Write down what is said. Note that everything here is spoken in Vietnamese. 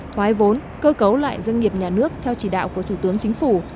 thoái vốn cơ cấu lại doanh nghiệp nhà nước theo chỉ đạo của thủ tướng chính phủ